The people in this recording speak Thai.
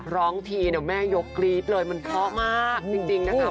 ร้องทีเนี่ยแม่ยกกรี๊ดเลยมันเพราะมากจริงนะคะ